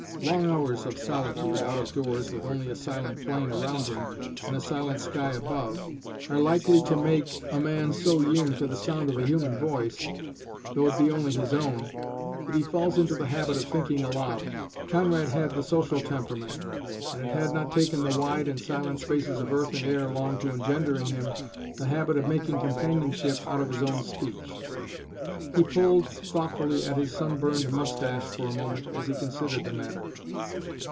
Long hours of solitude out of doors with only a silent plain around him and a silent sky above are likely to make a man so yearn for the sound of a human voice, though it be only his own, that he falls into the habit of thinking aloud. Conrad had the social temperament and it had not taken the wide and silent spaces of earth and air long to engender in him the habit of making companionship out of his own speech. He pulled thoughtfully at his sunburned moustache for a moment as he considered the matter.